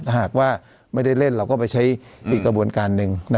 หากว่าไม่ได้เล่นเราก็ไปใช้อีกกระบวนการหนึ่ง